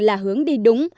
là hướng đi đúng